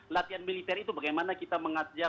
latihan militer itu bagaimana kita mengajar